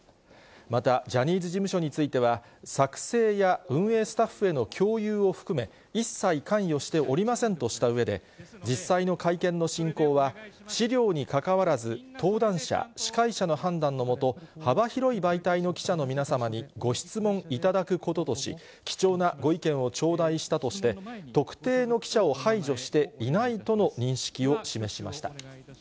また、ジャニーズ事務所については、作成や運営スタッフへの共有を含め、一切関与しておりませんとしたうえで、実際の会見の進行は、資料にかかわらず、登壇者、司会者の判断のもと、幅広い媒体の記者の皆様にご質問いただくこととし、貴重なご意見を頂戴したとして、特定の記者を排除していないとの認識を示しました。